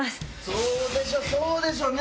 そうでしょそうでしょね！